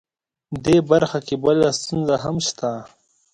دې برخه کې بله ستونزه هم شته